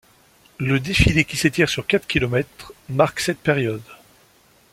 Le défilé qui s’étire sur quatre kilomètres marque cette période.